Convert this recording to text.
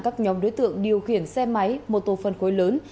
các nhóm đối tượng điều khiển xe máy mô tô phân khối lớn